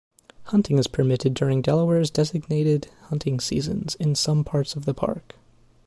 Hunting is permitted during Delaware's designated hunting seasons in some parts of the park.